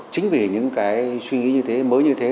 chính vì những cái suy nghĩ như thế mới như thế